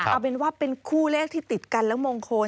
เอาเป็นว่าเป็นคู่เลขที่ติดกันแล้วมงคล